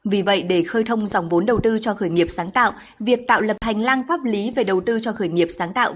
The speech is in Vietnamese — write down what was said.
vì vậy để khơi thông dòng vốn đầu tư cho khởi nghiệp sáng tạo việc tạo lập hành lang pháp lý về đầu tư cho khởi nghiệp sáng tạo